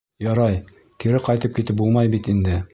Ярай, кире ҡайтып китеп булмай бит инде.